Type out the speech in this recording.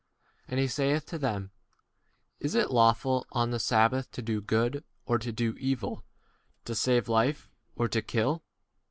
And he saith to them, Is it lawful on the sabbath to do good or to do evil, to save life or to kill?